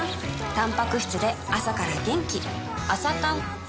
たんぱく質で朝から元気